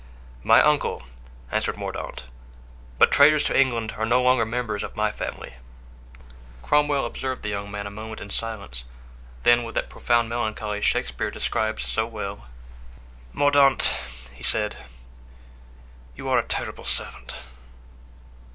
"My uncle," answered Mordaunt; "but traitors to England are no longer members of my family." Cromwell observed the young man a moment in silence, then, with that profound melancholy Shakespeare describes so well: "Mordaunt," he said, "you are a terrible servant."